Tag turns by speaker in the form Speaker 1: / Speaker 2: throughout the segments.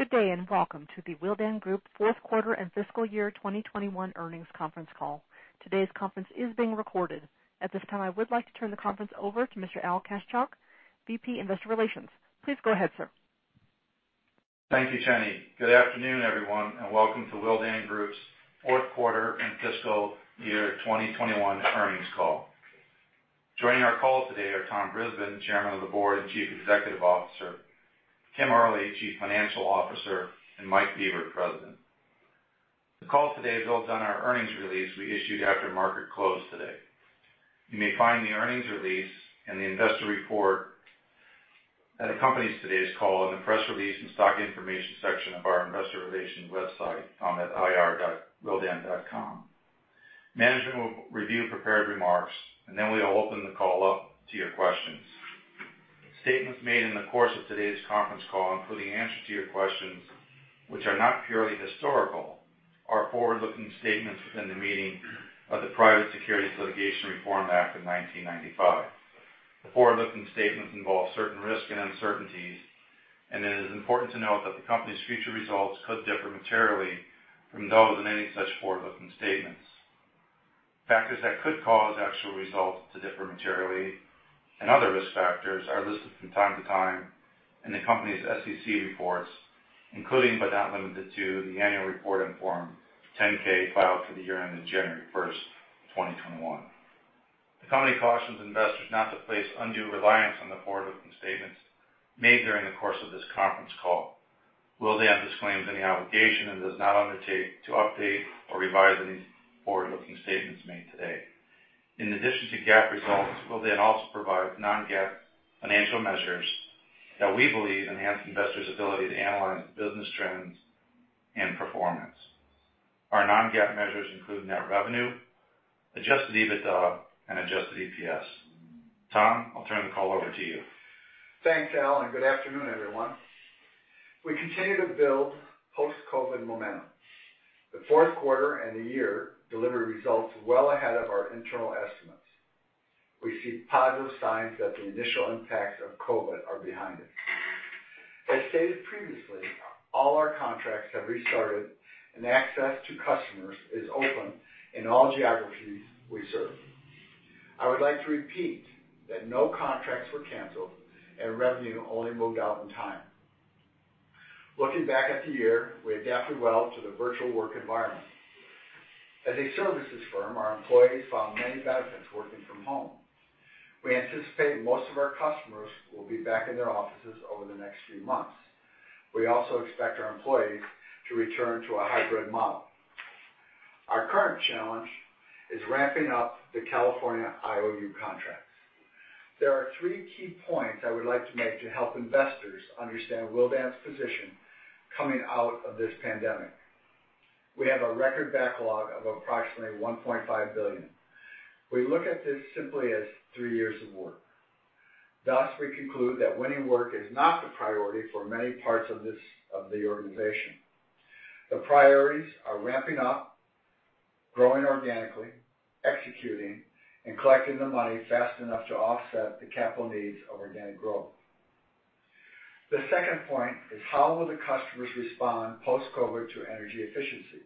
Speaker 1: Good day, and welcome to the Willdan Group fourth quarter and fiscal year 2021 earnings conference call. Today's conference is being recorded. At this time, I would like to turn the conference over to Mr. Al Kaschalk, VP, Investor Relations. Please go ahead, sir.
Speaker 2: Thank you, Jenny. Good afternoon, everyone, and welcome to Willdan Group's fourth quarter and fiscal year 2021 earnings call. Joining our call today are Tom Brisbin, Chairman of the Board and Chief Executive Officer, Kim Early, Chief Financial Officer, and Mike Bieber, President. The call today builds on our earnings release we issued after market close today. You may find the earnings release and the investor report that accompanies today's call in the press release and stock information section of our investor relations website at ir.willdangroup.com. Management will review prepared remarks, and then we'll open the call up to your questions. Statements made in the course of today's conference call, including answers to your questions which are not purely historical, are forward-looking statements within the meaning of the Private Securities Litigation Reform Act of 1995. The forward-looking statements involve certain risks and uncertainties, and it is important to note that the company's future results could differ materially from those in any such forward-looking statements. Factors that could cause actual results to differ materially and other risk factors are listed from time to time in the company's SEC reports, including, but not limited to, the annual report and Form 10-K filed for the year ending January 1, 2021. The company cautions investors not to place undue reliance on the forward-looking statements made during the course of this conference call. Willdan disclaims any obligation and does not undertake to update or revise any forward-looking statements made today. In addition to GAAP results, Willdan also provides non-GAAP financial measures that we believe enhance investors' ability to analyze business trends and performance. Our non-GAAP measures include net revenue, adjusted EBITDA, and adjusted EPS. Tom, I'll turn the call over to you.
Speaker 3: Thanks, Al, and good afternoon, everyone. We continue to build post-COVID momentum. The fourth quarter and the year delivered results well ahead of our internal estimates. We see positive signs that the initial impacts of COVID are behind us. As stated previously, all our contracts have restarted, and access to customers is open in all geographies we serve. I would like to repeat that no contracts were canceled and revenue only moved out in time. Looking back at the year, we adapted well to the virtual work environment. As a services firm, our employees found many benefits working from home. We anticipate most of our customers will be back in their offices over the next few months. We also expect our employees to return to a hybrid model. Our current challenge is ramping up the California IOU contracts. There are three key points I would like to make to help investors understand Willdan's position coming out of this pandemic. We have a record backlog of approximately $1.5 billion. We look at this simply as 3 years of work. Thus, we conclude that winning work is not the priority for many parts of this of the organization. The priorities are ramping up, growing organically, executing, and collecting the money fast enough to offset the capital needs of organic growth. The second point is how will the customers respond post-COVID to energy efficiency?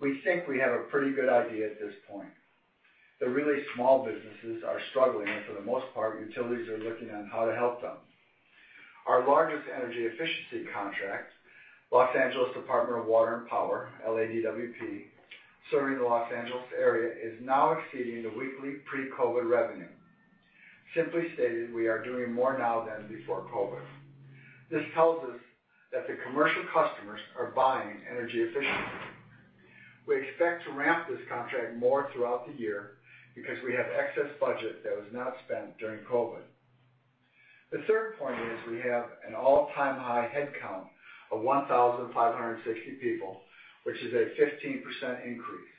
Speaker 3: We think we have a pretty good idea at this point. The really small businesses are struggling, and for the most part, utilities are looking on how to help them. Our largest energy efficiency contract, Los Angeles Department of Water and Power, LADWP, serving the Los Angeles area, is now exceeding the weekly pre-COVID revenue. Simply stated, we are doing more now than before COVID. This tells us that the commercial customers are buying energy efficiency. We expect to ramp this contract more throughout the year because we have excess budget that was not spent during COVID. The third point is we have an all-time high headcount of 1,560 people, which is a 15% increase.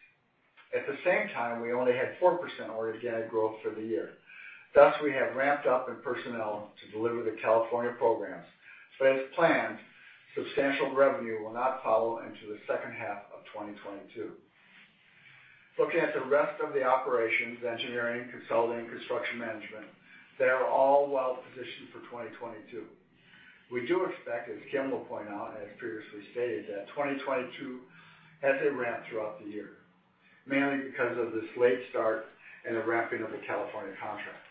Speaker 3: At the same time, we only had 4% organic growth for the year. Thus, we have ramped up in personnel to deliver the California programs. As planned, substantial revenue will not follow into the second half of 2022. Looking at the rest of the operations, engineering, consulting, construction management, they are all well-positioned for 2022. We do expect, as Kim will point out, as previously stated, that 2022 has a ramp throughout the year, mainly because of this late start and the ramping of the California contracts.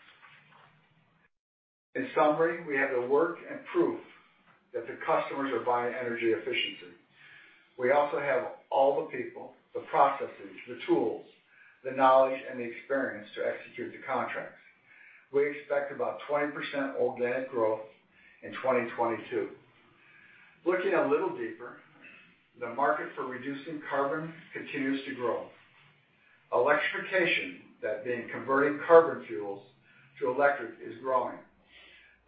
Speaker 3: In summary, we have the work and proof that the customers are buying energy efficiency. We also have all the people, the processes, the tools, the knowledge, and the experience to execute the contracts. We expect about 20% organic growth in 2022. Looking a little deeper, the market for reducing carbon continues to grow. Electrification, that being converting carbon fuels to electric, is growing.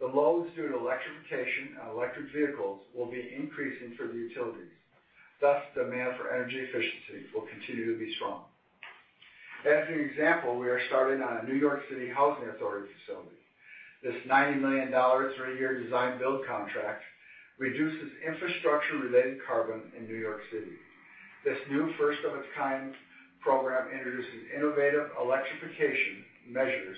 Speaker 3: The loads due to electrification and electric vehicles will be increasing for the utilities. Thus, demand for energy efficiency will continue to be strong. As an example, we are starting on a New York City Housing Authority facility. This $90 million three-year design build contract reduces infrastructure-related carbon in New York City. This new first of its kind program introduces innovative electrification measures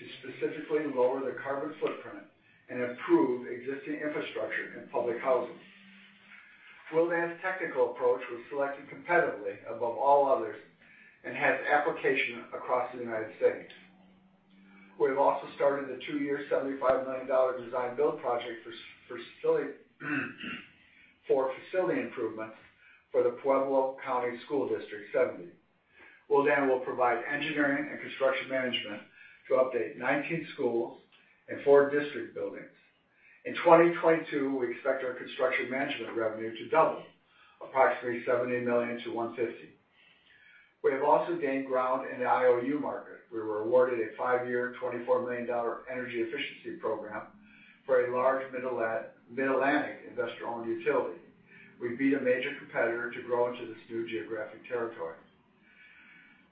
Speaker 3: to specifically lower the carbon footprint and improve existing infrastructure in public housing. Willdan's technical approach was selected competitively above all others and has application across the United States. We've also started the two-year $75 million design build project for facility improvements for the Pueblo County School District 70. Willdan will provide engineering and construction management to update 19 schools and four district buildings. In 2022, we expect our construction management revenue to double, approximately $70 million-$150 million. We have also gained ground in the IOU market. We were awarded a five-year $24 million energy efficiency program for a large Mid-Atlantic investor-owned utility. We beat a major competitor to grow into this new geographic territory.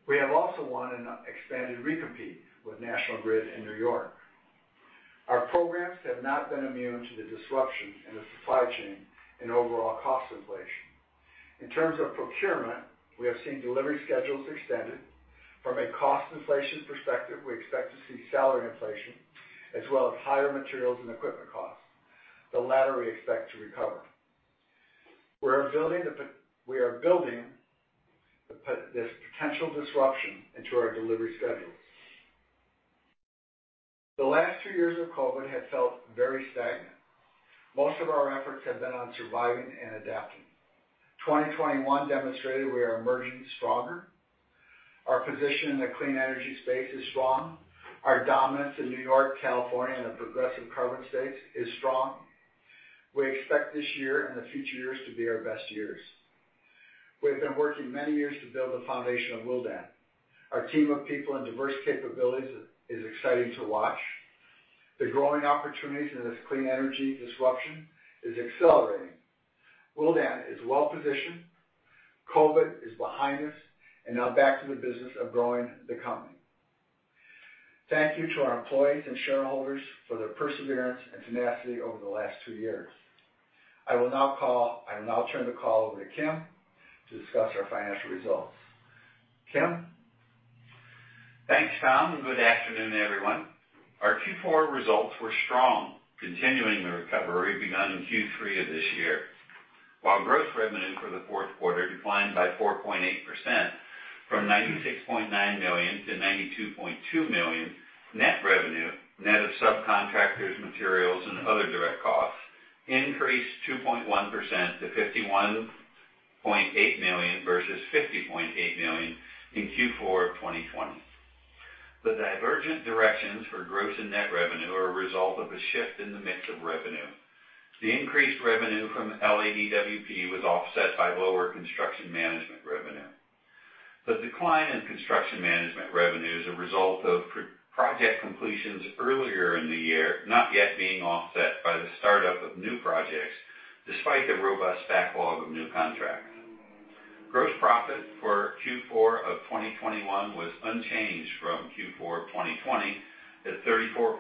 Speaker 3: We have also won an expanded recompete with National Grid in New York. Our programs have not been immune to the disruption in the supply chain and overall cost inflation. In terms of procurement, we have seen delivery schedules extended. From a cost inflation perspective, we expect to see salary inflation as well as higher materials and equipment costs. The latter we expect to recover. We are building this potential disruption into our delivery schedules. The last two years of COVID have felt very stagnant. Most of our efforts have been on surviving and adapting. 2021 demonstrated we are emerging stronger. Our position in the clean energy space is strong. Our dominance in New York, California, and the progressive carbon states is strong. We expect this year and the future years to be our best years. We have been working many years to build the foundation of Willdan. Our team of people and diverse capabilities is exciting to watch. The growing opportunities in this clean energy disruption is accelerating. Willdan is well-positioned. COVID is behind us, and now back to the business of growing the company. Thank you to our employees and shareholders for their perseverance and tenacity over the last two years. I will now turn the call over to Kim to discuss our financial results. Kim?
Speaker 4: Thanks, Tom, and good afternoon, everyone. Our Q4 results were strong, continuing the recovery begun in Q3 of this year. While gross revenue for the fourth quarter declined by 4.8% from $96.9 million to $92.2 million, net revenue, net of subcontractors, materials, and other direct costs, increased 2.1% to $51.8 million versus $50.8 million in Q4 of 2020. The divergent directions for gross and net revenue are a result of a shift in the mix of revenue. The increased revenue from LADWP was offset by lower construction management revenue. The decline in construction management revenue is a result of prior project completions earlier in the year, not yet being offset by the startup of new projects, despite the robust backlog of new contracts. Gross profit for Q4 of 2021 was unchanged from Q4 of 2020 at $34.5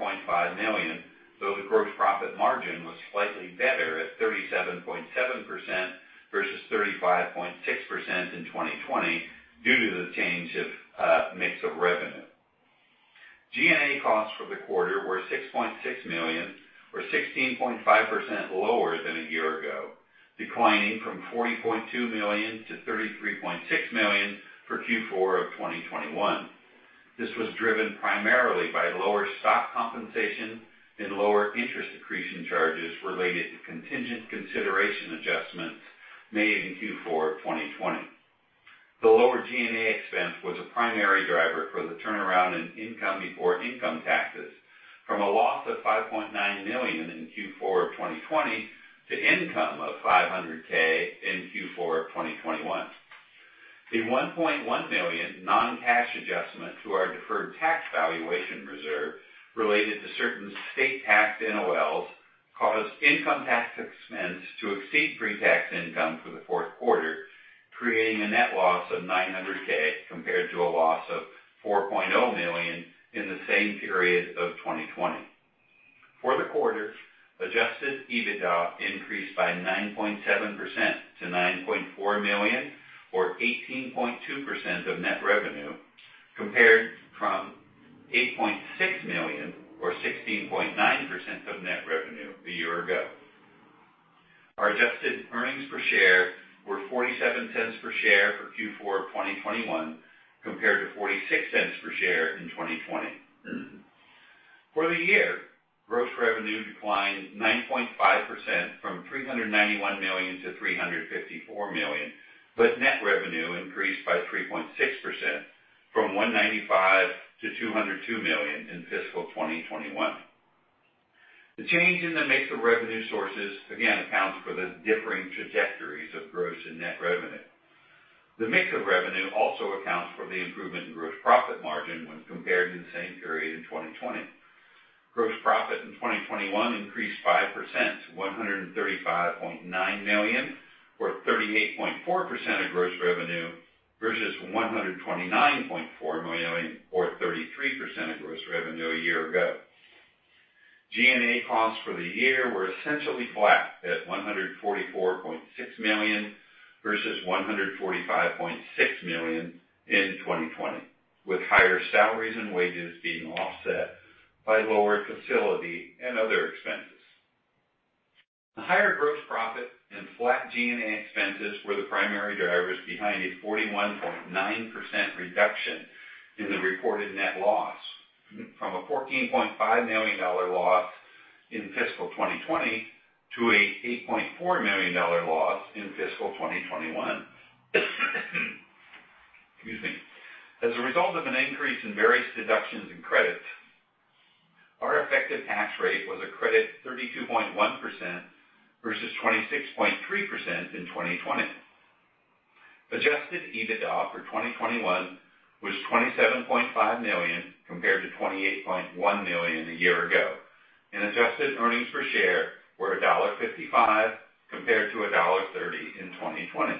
Speaker 4: million, though the gross profit margin was slightly better at 37.7% versus 35.6% in 2020 due to the change of mix of revenue. G&A costs for the quarter were $6.6 million, or 16.5% lower than a year ago, declining from $40.2 million to $33.6 million for Q4 of 2021. This was driven primarily by lower stock compensation and lower interest accretion charges related to contingent consideration adjustments made in Q4 of 2020. The lower G&A expense was a primary driver for the turnaround in income before income taxes from a loss of $5.9 million in Q4 of 2020 to income of $500K in Q4 of 2021. A $1.1 million non-cash adjustment to our deferred tax valuation reserve related to certain state-taxed NOLs caused income tax expense to exceed pre-tax income for the fourth quarter, creating a net loss of $900K compared to a loss of $4.0 million in the same period of 2020. For the quarter, adjusted EBITDA increased by 9.7% to $9.4 million or 18.2% of net revenue, compared to $8.6 million or 16.9% of net revenue a year ago. Our adjusted earnings per share were $0.47 per share for Q4 of 2021, compared to $0.46 per share in 2020. For the year, gross revenue declined 9.5% from $391 million to $354 million, but net revenue increased by 3.6% from $195 million to $202 million in fiscal 2021. The change in the mix of revenue sources again accounts for the differing trajectories of gross and net revenue. The mix of revenue also accounts for the improvement in gross profit margin when compared to the same period in 2020. Gross profit in 2021 increased 5% to $135.9 million, or 38.4% of gross revenue, versus $129.4 million, or 33% of gross revenue a year ago. G&A costs for the year were essentially flat at $144.6 million versus $145.6 million in 2020, with higher salaries and wages being offset by lower facility and other expenses. The higher gross profit and flat G&A expenses were the primary drivers behind a 41.9% reduction in the reported net loss from a $14.5 million loss in fiscal 2020 to an $8.4 million loss in fiscal 2021. Excuse me. As a result of an increase in various deductions and credits, our effective tax rate was a credit 32.1% versus 26.3% in 2020. Adjusted EBITDA for 2021 was $27.5 million compared to $28.1 million a year ago. Adjusted earnings per share were $1.55 compared to $1.30 in 2020.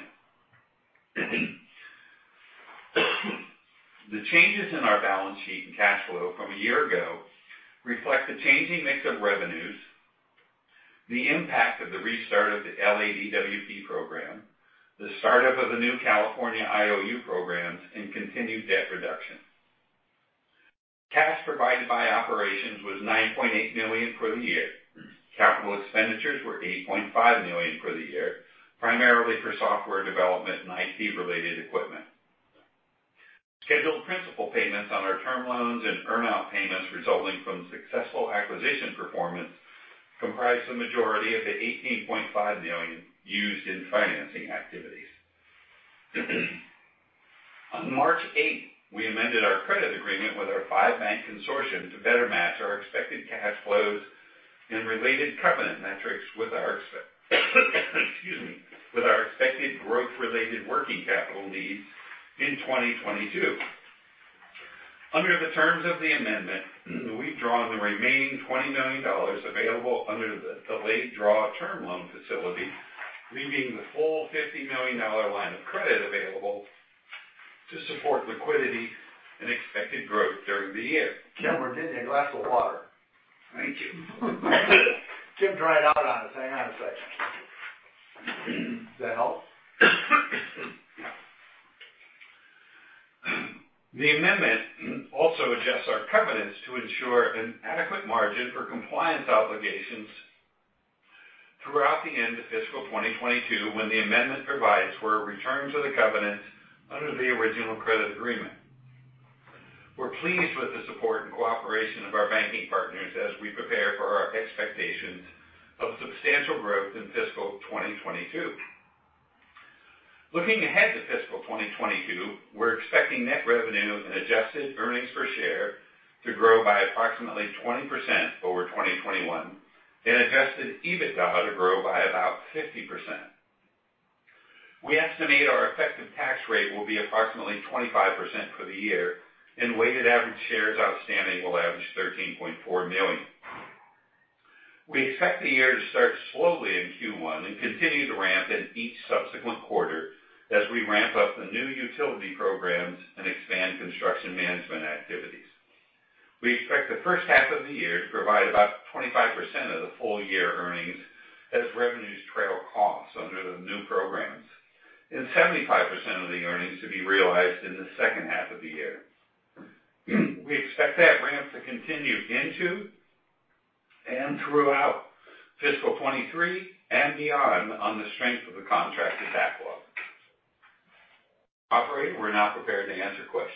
Speaker 4: The changes in our balance sheet and cash flow from a year ago reflect the changing mix of revenues, the impact of the restart of the LADWP program, the startup of the new California IOU programs, and continued debt reduction. Cash provided by operations was $9.8 million for the year. Capital expenditures were $8.5 million for the year, primarily for software development and IT-related equipment. Scheduled principal payments on our term loans and earn out payments resulting from successful acquisition performance comprised the majority of the $18.5 million used in financing activities. On March 8, we amended our credit agreement with our five-bank consortium to better match our expected cash flows and related covenant metrics with our expected growth-related working capital needs in 2022. Under the terms of the amendment, we've drawn the remaining $20 million available under the delayed draw term loan facility, leaving the full $50 million line of credit available to support liquidity and expected growth during the year.
Speaker 5: Kim Early, get you a glass of water. Thank you. Kim dropped out on us. Hang on a second. Does that help?
Speaker 4: Yeah. The amendment also adjusts our covenants to ensure an adequate margin for compliance obligations throughout the end of fiscal 2022, when the amendment provides for a return to the covenants under the original credit agreement. We're pleased with the support and cooperation of our banking partners as we prepare for our expectations of substantial growth in fiscal 2022. Looking ahead to fiscal 2022, we're expecting net revenue and adjusted earnings per share to grow by approximately 20% over 2021 and adjusted EBITDA to grow by about 50%. We estimate our effective tax rate will be approximately 25% for the year, and weighted average shares outstanding will average 13.4 million. We expect the year to start slowly in Q1 and continue to ramp in each subsequent quarter as we ramp up the new utility programs and expand construction management activities. We expect the first half of the year to provide about 25% of the full year earnings as revenues trail costs under the new programs, and 75% of the earnings to be realized in the second half of the year. We expect that ramp to continue into and throughout fiscal 2023 and beyond on the strength of the contracted backlog. Operator, we're now prepared to answer questions.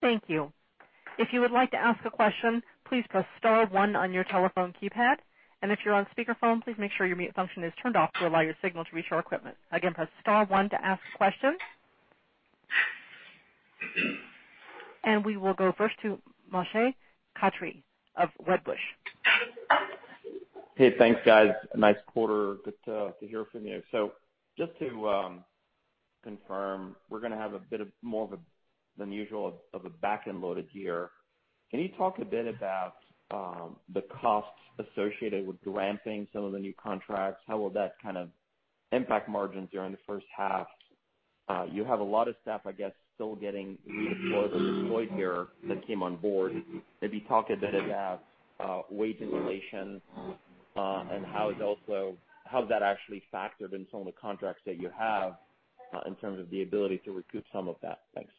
Speaker 1: Thank you. If you would like to ask a question, please press star one on your telephone keypad. If you're on speaker phone, please make sure your mute function is turned off to allow your signal to reach our equipment. Again, press star one to ask questions. We will go first to Moshe Katri of Wedbush.
Speaker 6: Hey, thanks, guys. Nice quarter. Good to hear from you. Just to confirm, we're gonna have a bit more than usual of a back-end loaded year. Can you talk a bit about the costs associated with ramping some of the new contracts? How will that kind of impact margins during the first half? You have a lot of staff, I guess, still getting deployed or deployed here that came on board. Maybe talk a bit about wage inflation and how that actually factored in some of the contracts that you have in terms of the ability to recoup some of that. Thanks.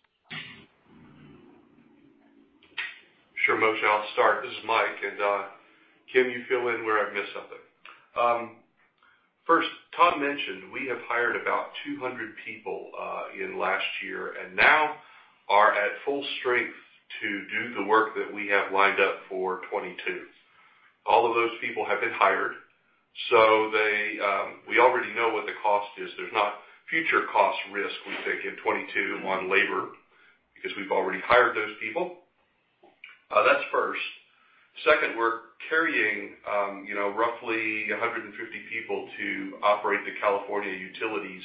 Speaker 5: Sure, Moshe. I'll start. This is Mike. Kim, you fill in where I miss something. First, Tom mentioned we have hired about 200 people in last year and now are at full strength to do the work that we have lined up for 2022. All of those people have been hired, so they, we already know what the cost is. There's not future cost risk we take in 2022 on labor because we've already hired those people. That's first. Second, we're carrying, you know, roughly 150 people to operate the California utilities,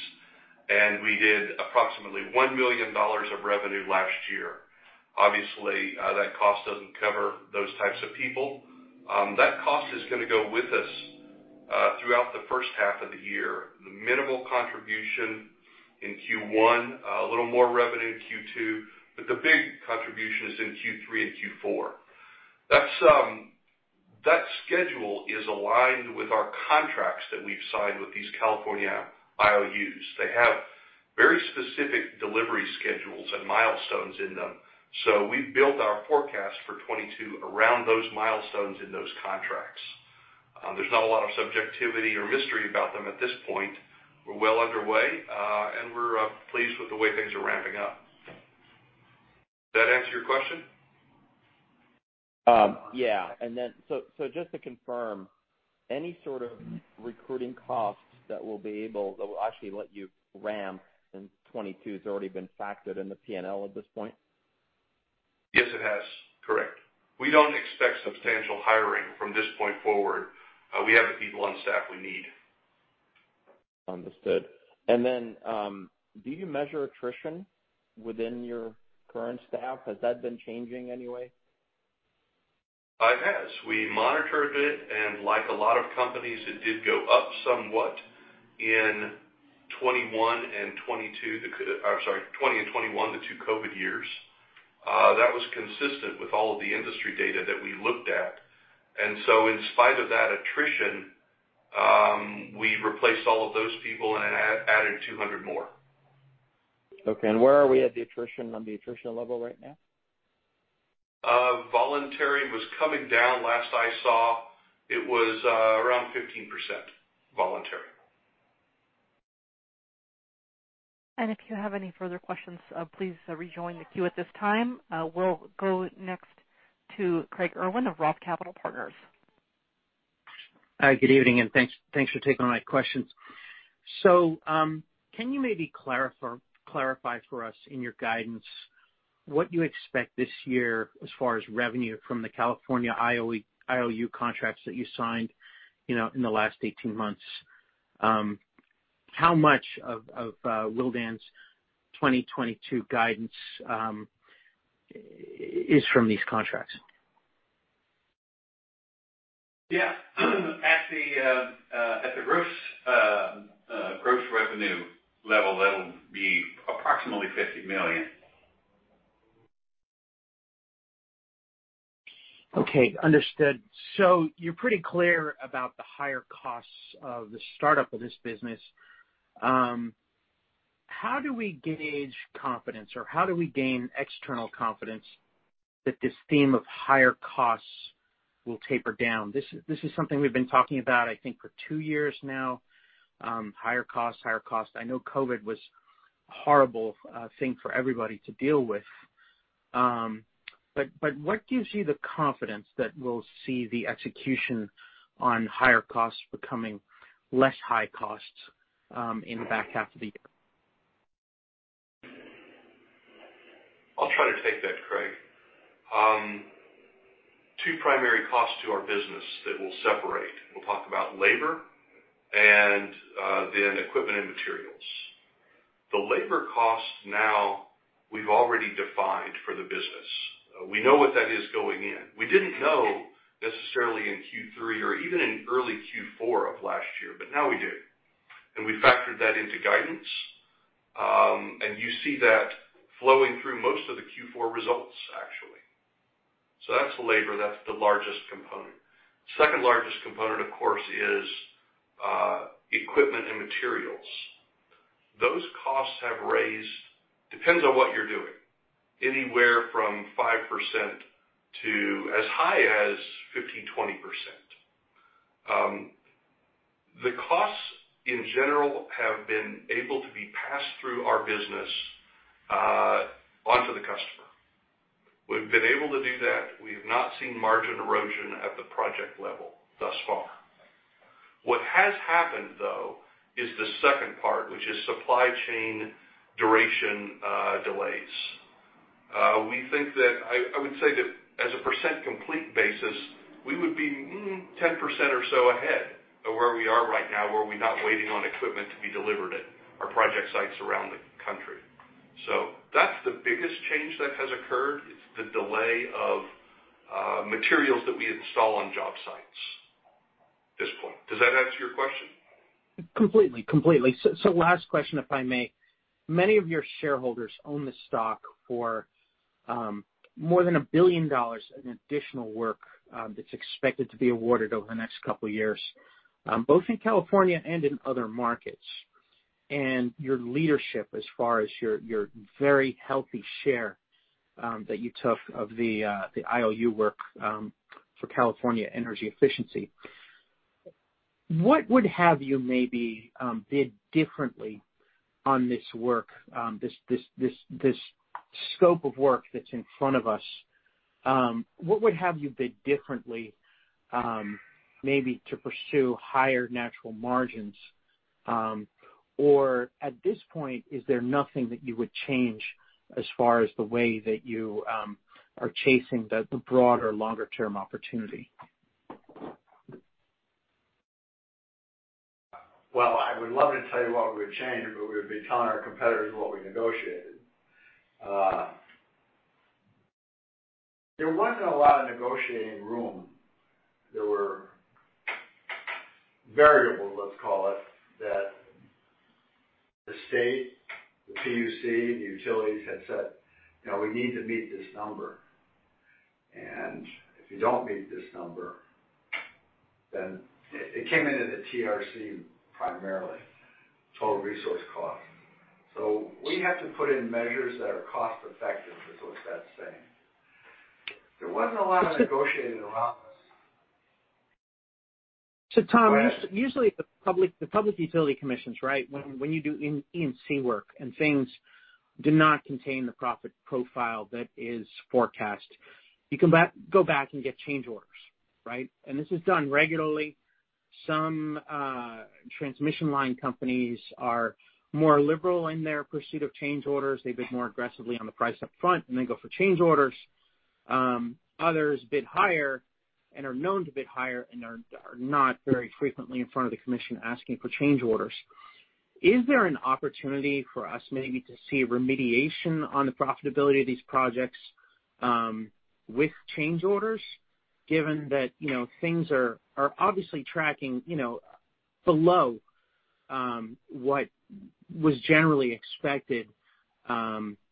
Speaker 5: and we did approximately $1 million of revenue last year. Obviously, that cost doesn't cover those types of people. That cost is gonna go with us. Throughout the first half of the year, the minimal contribution in Q1, a little more revenue in Q2, but the big contribution is in Q3 and Q4. That schedule is aligned with our contracts that we've signed with these California IOUs. They have very specific delivery schedules and milestones in them. We've built our forecast for 2022 around those milestones in those contracts. There's not a lot of subjectivity or mystery about them at this point. We're well underway, and we're pleased with the way things are ramping up. Does that answer your question?
Speaker 6: Yeah. Just to confirm, any sort of recruiting costs that will actually let you ramp in 2022, it's already been factored in the P&L at this point?
Speaker 5: Yes, it has. Correct. We don't expect substantial hiring from this point forward. We have the people on staff we need.
Speaker 6: Understood. Do you measure attrition within your current staff? Has that been changing in any way?
Speaker 5: It has. We monitored it, and like a lot of companies, it did go up somewhat in 2021 and 2022, 2020 and 2021, the two COVID years. That was consistent with all of the industry data that we looked at. In spite of that attrition, we replaced all of those people and added 200 more.
Speaker 6: Okay. Where are we at the attrition level right now?
Speaker 5: Voluntary was coming down. Last I saw, it was around 15% voluntary.
Speaker 1: If you have any further questions, please, rejoin the queue at this time. We'll go next to Craig Irwin of Roth Capital Partners.
Speaker 7: Good evening, and thanks for taking my questions. Can you maybe clarify for us in your guidance what you expect this year as far as revenue from the California IOU contracts that you signed, you know, in the last 18 months? How much of Willdan's 2022 guidance is from these contracts?
Speaker 5: Yeah. At the gross revenue level, that'll be approximately $50 million.
Speaker 7: Okay. Understood. You're pretty clear about the higher costs of the startup of this business. How do we gauge confidence, or how do we gain external confidence that this theme of higher costs will taper down? This is something we've been talking about, I think, for two years now, higher costs. I know COVID was a horrible thing for everybody to deal with. But what gives you the confidence that we'll see the execution on higher costs becoming less high costs, in the back half of the year?
Speaker 5: I'll try to take that, Craig. Two primary costs to our business that we'll separate. We'll talk about labor and then equipment and materials. The labor costs now we've already defined for the business. We know what that is going in. We didn't know necessarily in Q3 or even in early Q4 of last year, but now we do. We factored that into guidance, and you see that flowing through most of the Q4 results, actually. That's the labor, that's the largest component. Second largest component, of course, is equipment and materials. Those costs have risen, depends on what you're doing, anywhere from 5% to as high as 15%-20%. The costs in general have been able to be passed through our business onto the customer. We've been able to do that. We have not seen margin erosion at the project level thus far. What has happened, though, is the second part, which is supply chain duration delays. We think that I would say that as a percent complete basis, we would be 10% or so ahead of where we are right now, were we not waiting on equipment to be delivered at our project sites around the country. That's the biggest change that has occurred. It's the delay of materials that we install on job sites at this point. Does that answer your question?
Speaker 7: Completely. Last question, if I may. Many of your shareholders own the stock for more than $1 billion in additional work that's expected to be awarded over the next couple of years both in California and in other markets. Your leadership as far as your very healthy share that you took of the IOU work for California energy efficiency. What would have you maybe bid differently on this work, this scope of work that's in front of us, what would have you bid differently, maybe to pursue higher natural margins? Or at this point, is there nothing that you would change as far as the way that you are chasing the broader longer-term opportunity?
Speaker 5: Well, I would love to tell you what we would change, but we would be telling our competitors what we negotiated.
Speaker 3: There wasn't a lot of negotiating room. There were variables, let's call it, that the state, the PUC, the utilities had said, "You know, we need to meet this number, and if you don't meet this number, then." It came in at the TRC primarily, total resource cost. We have to put in measures that are cost-effective is what that's saying. There wasn't a lot of negotiating around this.
Speaker 7: Tom, usually the public utility commissions, right? When you do E&C work and things do not attain the profit profile that is forecast, you go back and get change orders, right? This is done regularly. Some transmission line companies are more liberal in their pursuit of change orders. They bid more aggressively on the price up front and then go for change orders. Others bid higher and are known to bid higher and are not very frequently in front of the commission asking for change orders. Is there an opportunity for us maybe to see remediation on the profitability of these projects with change orders, given that, you know, things are obviously tracking, you know, below what was generally expected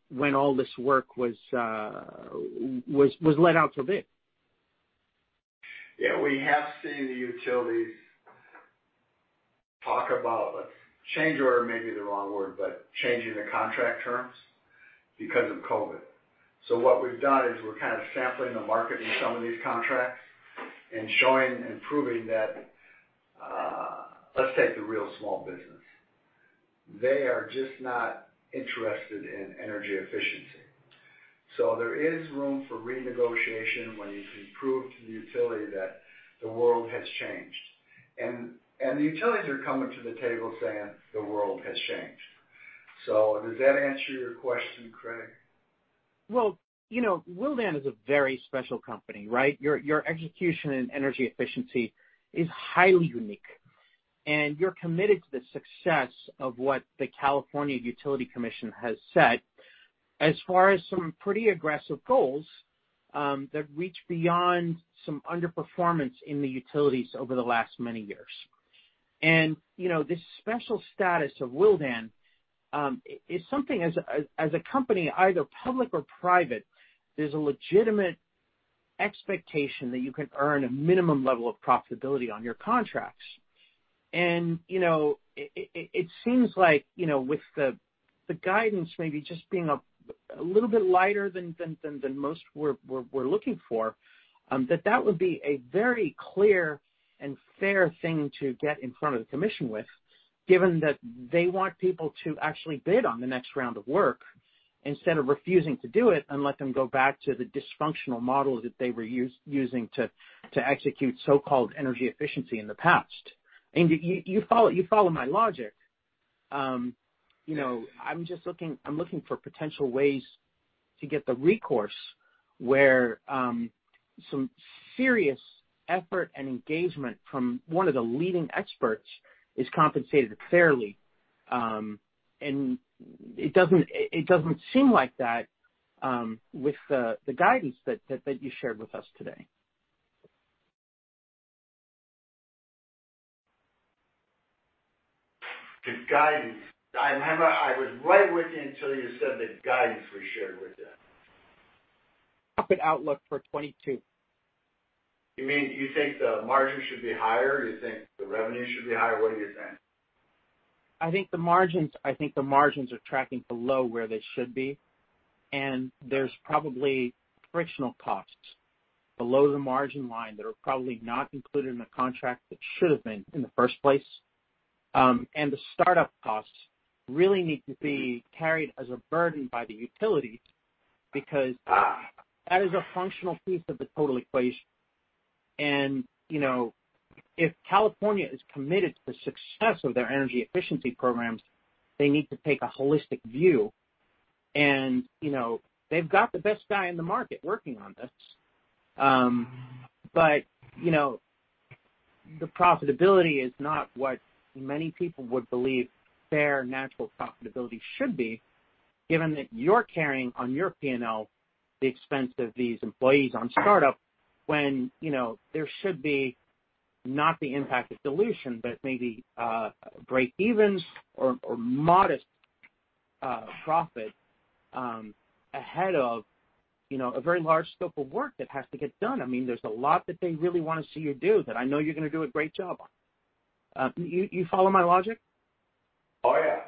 Speaker 7: when all this work was let out to bid?
Speaker 3: Yeah, we have seen the utilities talk about change order may be the wrong word, but changing the contract terms because of COVID. What we've done is we're kind of sampling the market in some of these contracts and showing and proving that. Let's take the real small business. They are just not interested in energy efficiency. There is room for renegotiation when you can prove to the utility that the world has changed. The utilities are coming to the table saying the world has changed. Does that answer your question, Craig?
Speaker 7: Well, you know, Willdan is a very special company, right? Your execution in energy efficiency is highly unique, and you're committed to the success of what the California Public Utilities Commission has set as far as some pretty aggressive goals, that reach beyond some underperformance in the utilities over the last many years. You know, this special status of Willdan is something as a company, either public or private, there's a legitimate expectation that you can earn a minimum level of profitability on your contracts. You know, it seems like, you know, with the guidance maybe just being a little bit lighter than most we're looking for, that would be a very clear and fair thing to get in front of the commission with, given that they want people to actually bid on the next round of work instead of refusing to do it and let them go back to the dysfunctional model that they were using to execute so-called energy efficiency in the past. I mean, do you follow my logic? You know, I'm just looking for potential ways to get the recourse where some serious effort and engagement from one of the leading experts is compensated fairly. It doesn't seem like that with the guidance that you shared with us today.
Speaker 3: The guidance. I remember I was right with you until you said the guidance we shared with you.
Speaker 7: Profit outlook for 2022.
Speaker 3: You mean you think the margin should be higher? You think the revenue should be higher? What are you saying?
Speaker 7: I think the margins are tracking below where they should be. There's probably frictional costs below the margin line that are probably not included in the contract that should have been in the first place. The startup costs really need to be carried as a burden by the utilities because that is a functional piece of the total equation. You know, if California is committed to the success of their energy efficiency programs, they need to take a holistic view. You know, they've got the best guy in the market working on this. You know, the profitability is not what many people would believe fair natural profitability should be, given that you're carrying on your P&L the expense of these employees on startup when, you know, there should be not the impact of dilution, but maybe break evens or modest profit ahead of, you know, a very large scope of work that has to get done. I mean, there's a lot that they really wanna see you do that I know you're gonna do a great job on. You follow my logic?
Speaker 3: Oh, yeah.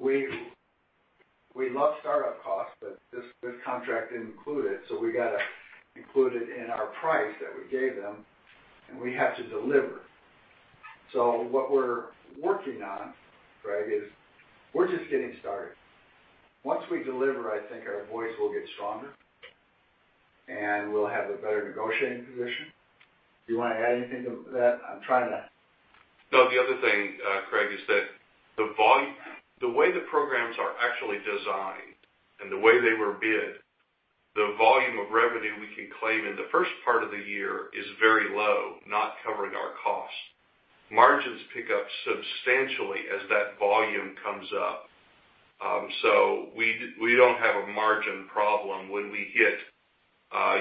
Speaker 3: We love startup costs, but this contract didn't include it, so we gotta include it in our price that we gave them, and we have to deliver. What we're working on, Craig, is we're just getting started. Once we deliver, I think our voice will get stronger, and we'll have a better negotiating position. Do you wanna add anything to that? I'm trying to.
Speaker 5: No, the other thing, Craig, is that the way the programs are actually designed and the way they were bid, the volume of revenue we can claim in the first part of the year is very low, not covering our costs. Margins pick up substantially as that volume comes up. We don't have a margin problem when we hit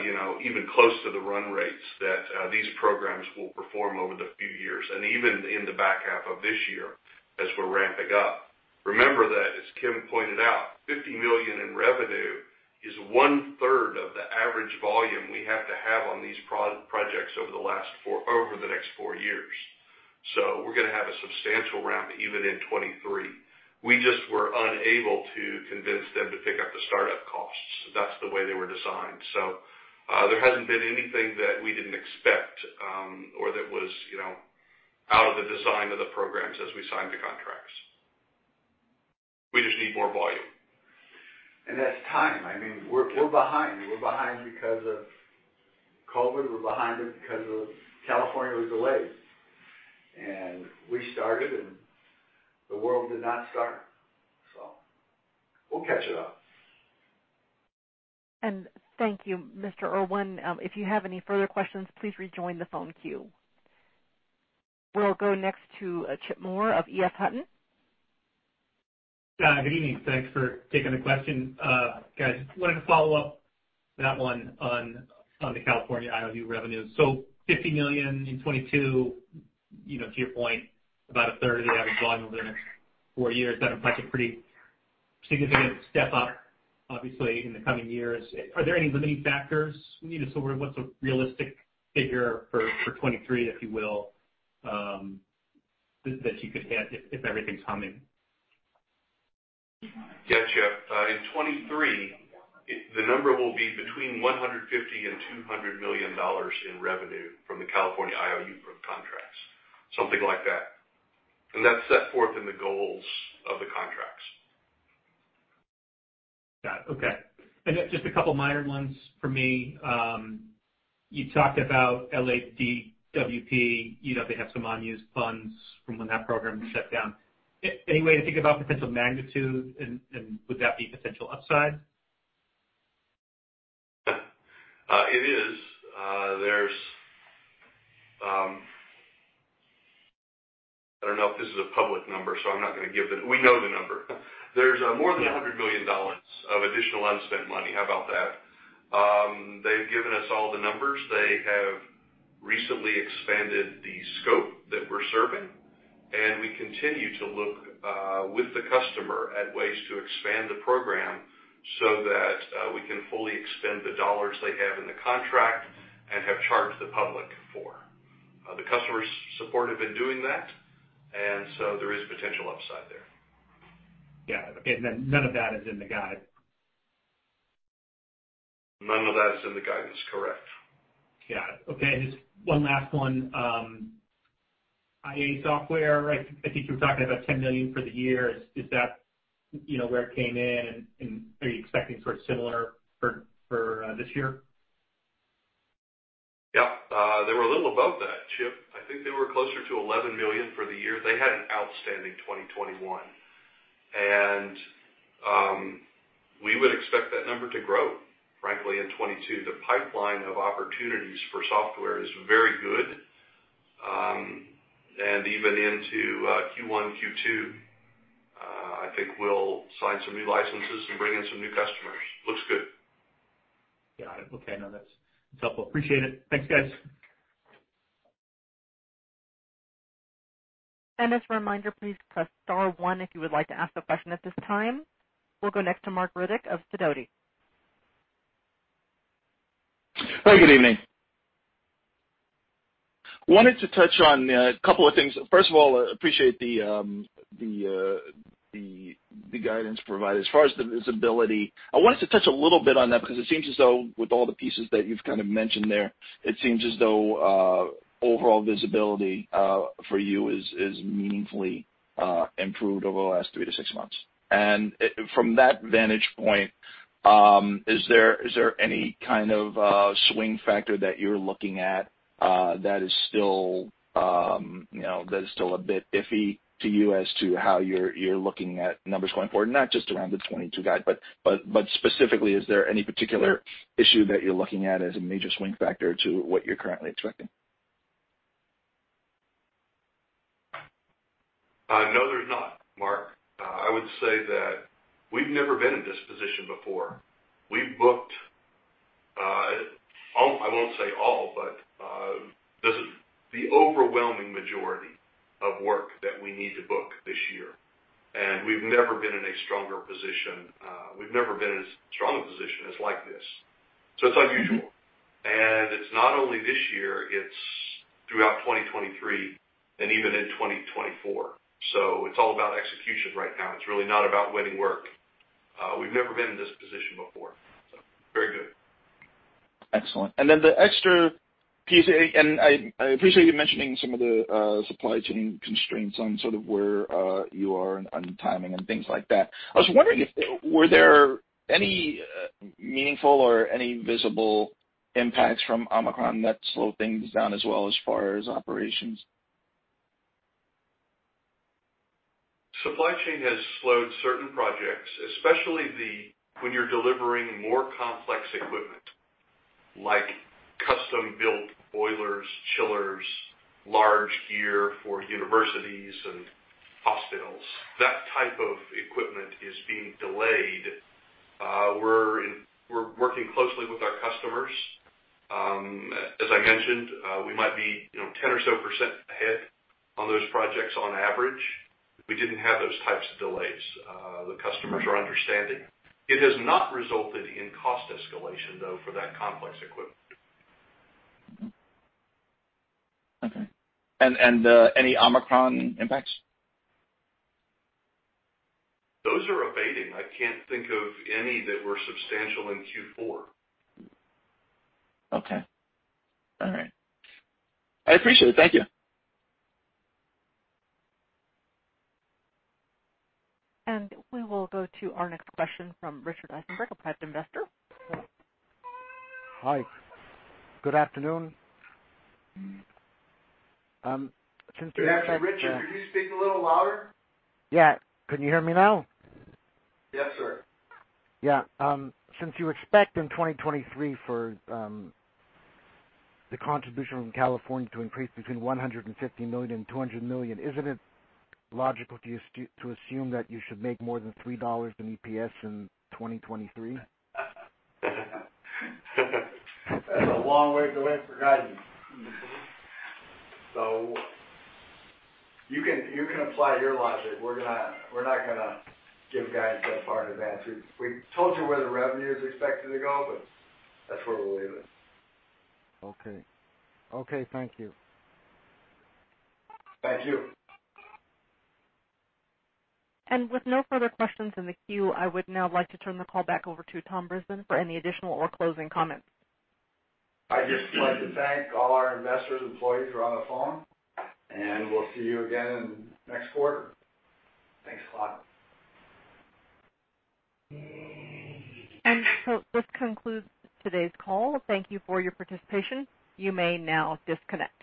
Speaker 5: even close to the run rates that these programs will perform over the few years and even in the back half of this year as we're ramping up. Remember that, as Kim pointed out, $50 million in revenue is one-third of the average volume we have to have on these projects over the next four years. We're gonna have a substantial ramp even in 2023. We just were unable to convince them to pick up the startup costs. That's the way they were designed. There hasn't been anything that we didn't expect, or that was, you know, out of the design of the programs as we signed the contracts. We just need more volume.
Speaker 3: That's time. I mean, we're behind. We're behind because of COVID. We're behind because of California was delayed. We started, and the world did not start. We'll catch it up.
Speaker 1: Thank you, Mr. Irwin. If you have any further questions, please rejoin the phone queue. We'll go next to Chip Moore of EF Hutton.
Speaker 8: Good evening. Thanks for taking the question. Guys, I wanted to follow up that one on the California IOU revenues. $50 million in 2022, you know, to your point, about a third of the average volume over the next four years. That implies a pretty significant step-up, obviously, in the coming years. Are there any limiting factors we need to sort of what's a realistic figure for 2023, if you will, that you could hit if everything's humming?
Speaker 5: Yeah, Chip. In 2023, the number will be between $150 million and $200 million in revenue from the California IOU program contracts, something like that. That's set forth in the goals of the contracts.
Speaker 8: Got it. Okay. Just a couple minor ones from me. You talked about LADWP. You know they have some unused funds from when that program shut down. Any way to think about potential magnitude, and would that be potential upside?
Speaker 5: Yeah. It is. I don't know if this is a public number, so I'm not gonna give. We know the number. There's more than $100 million of additional unspent money. How about that? They've given us all the numbers. They have recently expanded the scope that we're serving, and we continue to look with the customer at ways to expand the program so that we can fully expend the dollars they have in the contract and have charged the public for. The customer's supportive in doing that, and so there is potential upside there.
Speaker 8: Yeah. Okay. None of that is in the guide.
Speaker 5: None of that is in the guidance, correct?
Speaker 8: Yeah. Okay, just one last one. IA software, right? I think you were talking about $10 million for the year. Is that, you know, where it came in and are you expecting sort of similar for this year?
Speaker 5: Yeah. They were a little above that, Chip. I think they were closer to $11 million for the year. They had an outstanding 2021. We would expect that number to grow, frankly, in 2022. The pipeline of opportunities for software is very good. Even into Q1, Q2, I think we'll sign some new licenses and bring in some new customers. Looks good.
Speaker 8: Got it. Okay, no, that's helpful. Appreciate it. Thanks, guys.
Speaker 1: As a reminder, please press star one if you would like to ask a question at this time. We'll go next to Marc Riddick of Sidoti.
Speaker 9: Hi, good evening. I wanted to touch on a couple of things. First of all, I appreciate the guidance provided. As far as the visibility, I wanted to touch a little bit on that because it seems as though with all the pieces that you've kind of mentioned there, it seems as though overall visibility for you is meaningfully improved over the last three to six months. From that vantage point, is there any kind of swing factor that you're looking at that is still, you know, a bit iffy to you as to how you're looking at numbers going forward? Not just around the 22 guide, but specifically, is there any particular issue that you're looking at as a major swing factor to what you're currently expecting?
Speaker 5: No, there's not, Mark. I would say that we've never been in this position before. We've booked, I won't say all, but this is the overwhelming majority of work that we need to book this year, and we've never been in a stronger position. We've never been in as strong a position as like this. It's unusual. It's not only this year, it's throughout 2023 and even in 2024. It's all about execution right now. It's really not about winning work. We've never been in this position before, very good.
Speaker 9: Excellent. The extra piece, and I appreciate you mentioning some of the supply chain constraints on sort of where you are on timing and things like that. I was wondering if there were any meaningful or any visible impacts from Omicron that slowed things down as well as far as operations?
Speaker 5: Supply chain has slowed certain projects, especially when you're delivering more complex equipment like custom-built boilers, chillers, large gear for universities and hospitals. That type of equipment is being delayed. We're working closely with our customers. As I mentioned, we might be, you know, 10% or so ahead on those projects on average. We didn't have those types of delays. The customers are understanding. It has not resulted in cost escalation, though, for that complex equipment.
Speaker 9: Okay. Any Omicron impacts?
Speaker 5: Those are abating. I can't think of any that were substantial in Q4.
Speaker 9: Okay. All right. I appreciate it. Thank you.
Speaker 1: We will go to our next question from Richard Eisenberg of Piper Sandler. Hi. Good afternoon.
Speaker 5: Yeah. Richard, could you speak a little louder?
Speaker 10: Yeah. Can you hear me now?
Speaker 5: Yes, sir.
Speaker 10: Yeah. Since you expect in 2023 for the contribution from California to increase between $150 million and $200 million, isn't it logical to assume that you should make more than $3 in EPS in 2023?
Speaker 5: That's a long way to wait for guidance. You can apply your logic. We're not gonna give guidance that far in advance. We told you where the revenue is expected to go, but that's where we'll leave it.
Speaker 10: Okay. Okay, thank you.
Speaker 5: Thank you.
Speaker 1: With no further questions in the queue, I would now like to turn the call back over to Tom Brisbin for any additional or closing comments.
Speaker 3: I'd just like to thank all our investors, employees who are on the phone, and we'll see you again next quarter. Thanks a lot.
Speaker 1: This concludes today's call. Thank you for your participation. You may now disconnect.